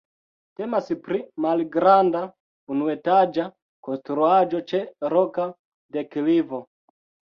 Temas pri malgranda, unuetaĝa konstruaĵo ĉe roka deklivo.